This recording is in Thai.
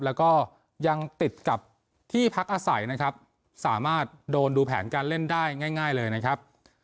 แล้วก็ยังติดกับที่พักอาศัยนะครับสามารถโดนดูแผนการเล่นได้ง่ายเลยนะครับ